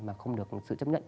mà không được sự chấp nhận